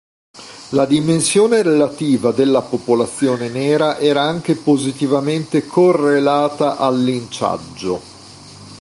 La dimensione relativa della popolazione nera era anche positivamente correlata al linciaggio.